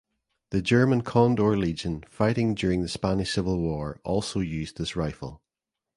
The German Condor Legion fighting during the Spanish Civil War also used this rifle.